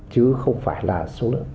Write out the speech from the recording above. chứ không phải là số lượng